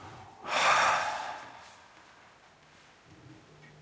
はあ。